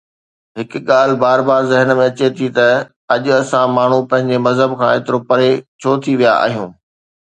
هڪ ڳالهه بار بار ذهن ۾ اچي ٿي ته اڄ اسان ماڻهو پنهنجي مذهب کان ايترو پري ڇو ٿي ويا آهيون؟